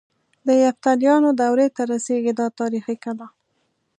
د یفتلیانو دورې ته رسيږي دا تاریخي کلا.